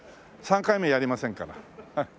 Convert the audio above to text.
３回目やりませんから。